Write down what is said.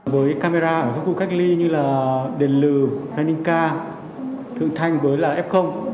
với camera ở các khu cách ly như là đền lừ phanning ca thượng thanh với là f